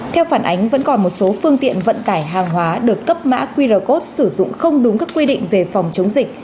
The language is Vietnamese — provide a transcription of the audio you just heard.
theo phản ánh vẫn còn một số phương tiện vận tải hàng hóa được cấp mã qr code sử dụng không đúng các quy định về phòng chống dịch